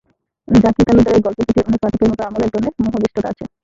জাকির তালুকদারের গল্পের প্রতি অনেক পাঠকের মতো আমারও একধরনের মোহাবিষ্টতা আছে।